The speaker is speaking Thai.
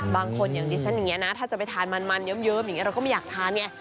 บางคนอย่างดิฉันอย่างนี้นะถ้าจะไปทานมันเยิ้มอย่างนี้เราก็ไม่อยากทานไง